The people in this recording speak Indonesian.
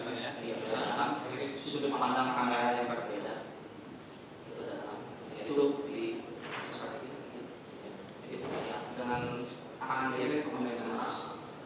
terus jalan terus terus jalan terus terus jalan terus terus jalan terus terus jalan terus